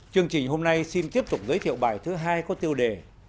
chương trình hôm nay xin tiếp tục giới thiệu bài thứ hai có tiêu đề